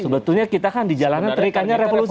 sebetulnya kita kan dijalankan terikannya revolusi